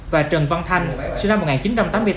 và trần văn thanh sinh năm một nghìn chín trăm tám mươi tám